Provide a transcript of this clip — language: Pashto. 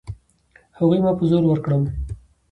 هغوی ما په زور ورکړم.